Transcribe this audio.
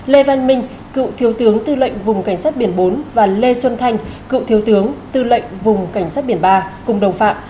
lê văn minh cựu thiếu tướng tư lệnh vùng cảnh sát biển bốn và lê xuân thanh cựu thiếu tướng tư lệnh vùng cảnh sát biển ba cùng đồng phạm